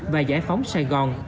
và giải phóng sài gòn